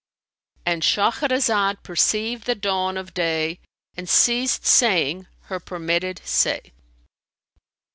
"—And Shahrazad perceived the dawn of day and ceased saying her permitted say.